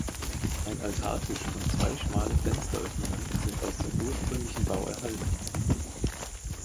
Ein Altartisch und zwei schmale Fensteröffnungen sind aus dem ursprünglichen Bau erhalten.